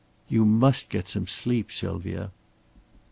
"You must get some sleep, Sylvia."